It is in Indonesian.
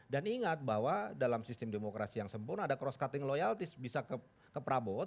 dan ingat bahwa dalam sistem demokrasi yang sempurna ada cross cutting loyaltis bisa ke prabowo